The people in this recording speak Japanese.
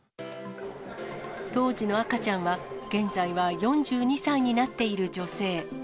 当時の赤ちゃんは、現在は４２歳になっている女性。